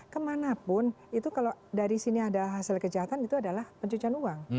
kemanapun itu kalau dari sini ada hasil kejahatan itu adalah pencucian uang